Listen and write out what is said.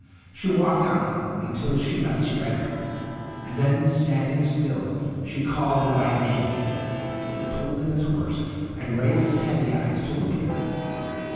She walked on until she met Sir Edric, and then, standing still, she called him by name. He pulled in his horse and raised his heavy eyes to look at her.